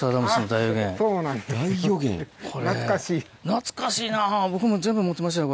懐かしいな僕も全部持ってましたよ